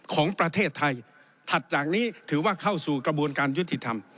ของประเทศไทยถัดจากนี้ถือว่าเข้าสู่กระบวนการยุติธรรม